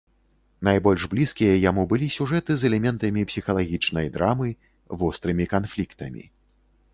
Найбольш блізкія яму былі сюжэты з элементамі псіхалагічнай драмы, вострымі канфліктамі.